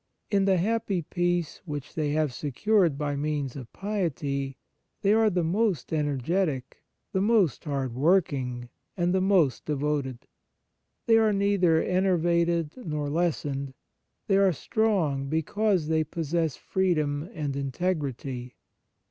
In the happy peace which they have secured by means of piety, they are the most energetic, the most hard working, and the most devoted. They are neither enervated nor lessened; they are strong, be cause they possess freedom and integrity.